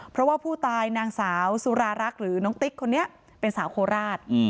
เพราะว่าผู้ตายนางสาวสุรารักษ์หรือน้องติ๊กคนนี้เป็นสาวโคราช